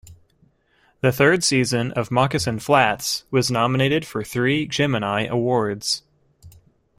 The third season of "Moccasin Flats" was nominated for three Gemini Awards.